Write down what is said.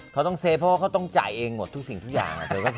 เขาต้องเฟฟเพราะว่าเขาต้องจ่ายเองหมดทุกสิ่งทุกอย่าง